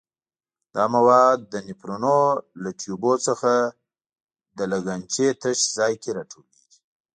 دا مواد د نفرونونو له ټیوبونو څخه د لګنچې تش ځای کې را ټولېږي.